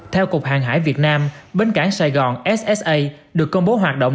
theo cục hàng hải việt nam bến cảng sài gòn ssa được công bố hoạt động